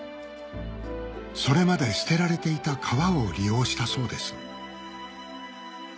それまで捨てられていた皮を利用したそうです